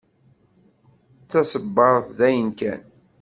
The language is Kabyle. D taṣebbart d ayen kan.